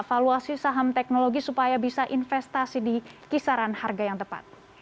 valuasi saham teknologi supaya bisa investasi di kisaran harga yang tepat